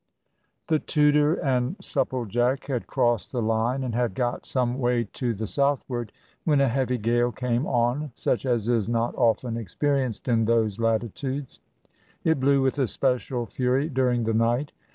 The Tudor and Supplejack had crossed the line, and had got some way to the southward, when a heavy gale came on, such as is not often experienced in those latitudes. It blew with especial fury during the night.